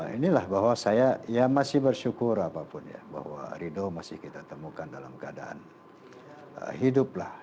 inilah bahwa saya ya masih bersyukur apapun ya bahwa ridho masih kita temukan dalam keadaan hidup lah